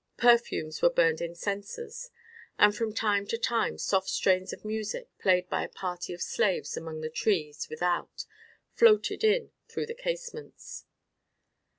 Perfumes were burned in censers, and from time to time soft strains of music, played by a party of slaves among the trees without, floated in through the casements.